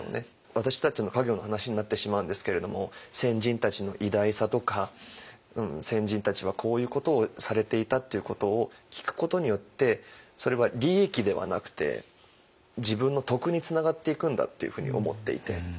私たちの家業の話になってしまうんですけれども先人たちの偉大さとか先人たちはこういうことをされていたっていうことを聴くことによってそれは利益ではなくて自分の徳につながっていくんだっていうふうに思っていて。